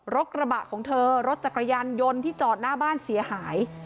กระบะของเธอรถจักรยานยนต์ที่จอดหน้าบ้านเสียหาย